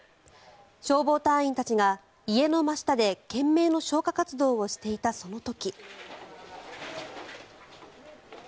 消防隊員たちが家の真下で懸命の消火活動をしていたその時。